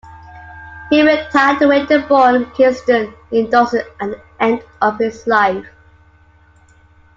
He retired to Winterborne Kingston in Dorset at the end of his life.